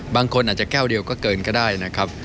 บางคนอาจจะแก้วเดียวก็เกินก็ได้นะครับ